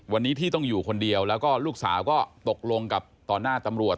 วันนี้ที่ต้องอยู่คนเดียวแล้วก็ลูกสาวก็ตกลงกับต่อหน้าตำรวจ